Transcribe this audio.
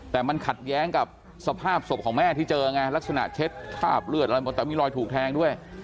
แต่มันขัดแย้งกับสภาพศพของแม่ที่เจอไงลักษณะเช็ดคราบเลือดอะไรหมดแต่มีรอยถูกแทงด้วย